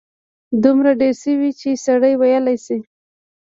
دومره ډېر شوي چې سړی ویلای شي.